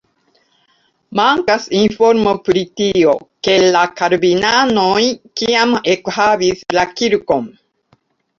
Mankas informo pri tio, ke la kalvinanoj kiam ekhavis la kirkon.